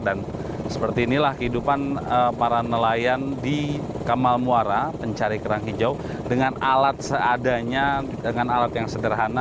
dan seperti inilah kehidupan para nelayan di kamal muara mencari kerang hijau dengan alat seadanya dengan alat yang sederhana